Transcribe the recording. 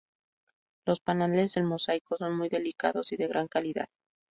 Los paneles de mosaico son muy delicados y de gran calidad.